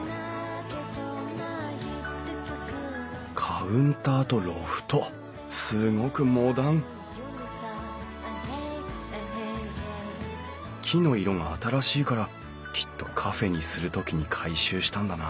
カウンターとロフトすごくモダン木の色が新しいからきっとカフェにする時に改修したんだな。